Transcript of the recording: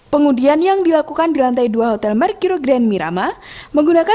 pengundian yang dilakukan di lantai dua hotel merkir grand miramar